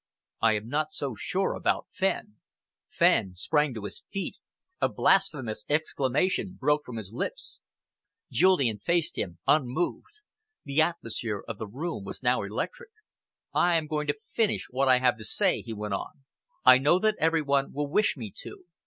I am not so sure about Fenn." Fenn sprang to his feet, a blasphemous exclamation broke from his lips. Julian faced him, unmoved. The atmosphere of the room was now electric. "I am going to finish what I have to say," he went on. "I know that every one will wish me to.